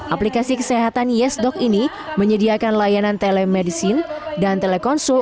aplikasi kesehatan yesdoc ini menyediakan layanan telemedicine dan telekonsul